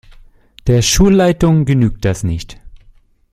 Der Schulleitung genügt das nicht.